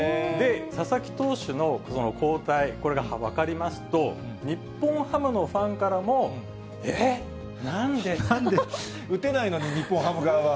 佐々木投手の交代、これが分かりますと、日本ハムのファンからも、えー、打てないのに、日本ハム側は。